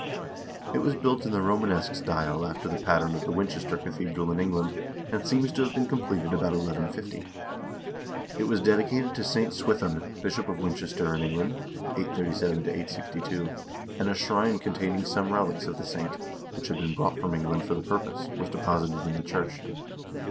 It was built in the Romanesque style after the pattern of the Winchester cathedral in England, and seems to have been completed about 1150.1 It was dedicated to St. Swithun, bishop of Winchester in England (837 862), and a shrine containing some relics of the saint, which had been brought from England for the purpose, was deposited in the church.